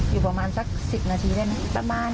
อยู่ประมาณสัก๑๐นาทีได้ไหม